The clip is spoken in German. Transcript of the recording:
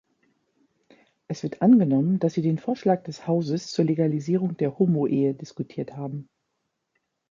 Es wird angenommen, dass sie den Vorschlag des Hauses zur Legalisierung der Homoehe diskutiert haben.